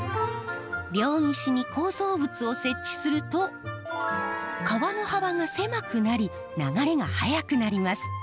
両岸に構造物を設置すると川の幅が狭くなり流れが速くなります。